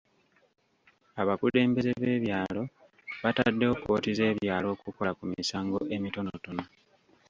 Abakulembeze b'ebyalo bataddewo kkooti z'ebyalo okukola ku misango emitonotono.